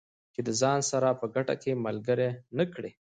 چې د ځان سره په ګټه کې ملګري نه کړي.